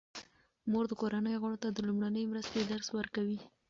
مور د کورنۍ غړو ته د لومړنۍ مرستې درس ورکوي.